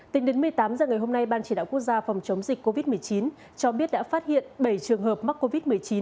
tính đến một mươi tám h ngày hôm nay ban chỉ đạo quốc gia phòng chống dịch covid một mươi chín cho biết đã phát hiện bảy trường hợp mắc covid một mươi chín